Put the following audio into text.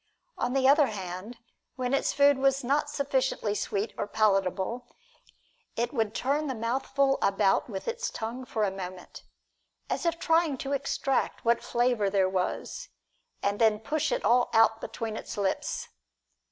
On the other hand, when its food was not sufficiently sweet or palatable, it would turn the mouthful about with its tongue for a moment, as if trying to extract what flavor there was, and then push it all out between its lips.